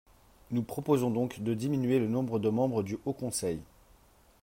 Nous proposons donc de diminuer le nombre de membres du Haut conseil.